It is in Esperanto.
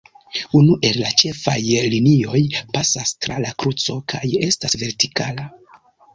Unu el la ĉefaj linioj pasas tra la kruco kaj estas vertikala.